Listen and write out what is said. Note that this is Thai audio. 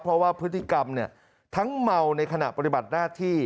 เพราะว่าพฤติกรรมทั้งเมาในขณะปฏิบัติหน้าที่